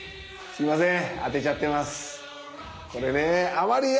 すみません。